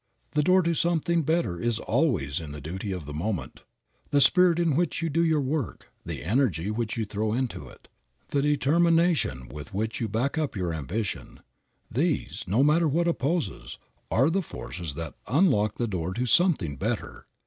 The door to something better is always in the duty of the moment. The spirit in which you do your work, the energy which you throw into it, the determination with which you back up your ambition these, no matter what opposes, are the forces that unlock the door to something better.